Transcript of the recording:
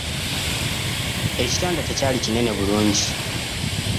Ekitanda tekyali kinene bulungi.